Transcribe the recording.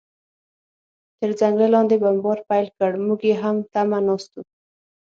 تر ځنګله لاندې بمبار پیل کړ، موږ یې هم تمه ناست و.